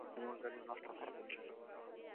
আমার গাড়ি নষ্ট হয়ে গেছে।